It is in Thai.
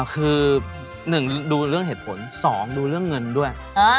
คือ๑ดูเรื่องเหตุผล๒ดูเรื่องเงินด้วย